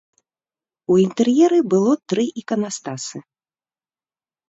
У інтэр'еры было тры іканастасы.